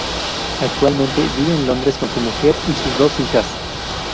Actualmente vive en Londres con su mujer y sus dos hijas.